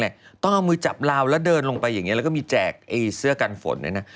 ต้องเอามือจับลาวแล้วเดินลงไปอย่างนี้แล้วก็มีแจกเสื้อกันฝนเนี่ยนะ